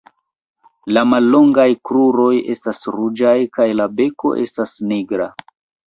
La mallongaj kruroj estas ruĝaj kaj la beko estas nigra.